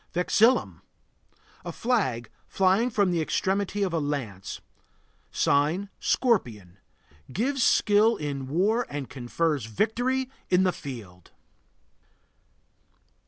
VEXILLUM. A flag flying from the extremity of a lance. Sign: Scorpion. Gives skill in war and confers victory in the field.